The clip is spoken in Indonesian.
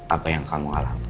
apa yang kamu alami